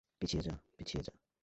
পিছিয়ে যা, পিছিয়ে যা!